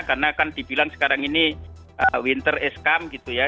karena kan dibilang sekarang ini winter is come gitu ya